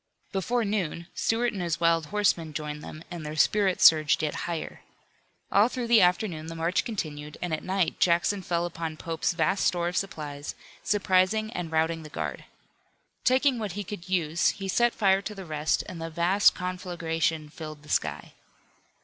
Before noon, Stuart and his wild horsemen joined them and their spirits surged yet higher. All through the afternoon the march continued, and at night Jackson fell upon Pope's vast store of supplies, surprising and routing the guard. Taking what he could use he set fire to the rest and the vast conflagration filled the sky.